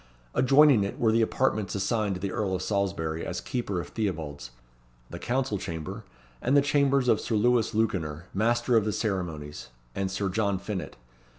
Adjoining it were the apartments assigned to the Earl of Salisbury as Keeper of Theobalds, the council chamber, and the chambers of Sir Lewis Lewkener, Master of the Ceremonies, and Sir John Finett.